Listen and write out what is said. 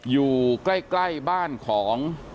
อยู่ใกล้บ้านของ